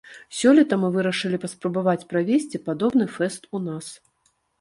Сёлета мы вырашылі паспрабаваць правесці падобны фэст у нас.